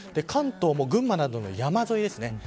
関東も群馬などの山沿いですね。